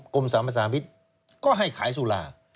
กรมสรรพสามิตรก็ให้ขายสุรา